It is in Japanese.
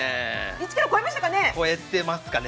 １ｋｇ超えましたかね？